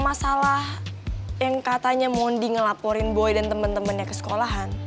masalah yang katanya mondi ngelaporin boy dan temen temennya ke sekolahan